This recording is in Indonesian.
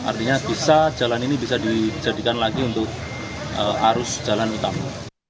artinya bisa jalan ini bisa dijadikan lagi untuk arus jalan utama